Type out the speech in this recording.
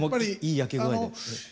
い焼け具合で。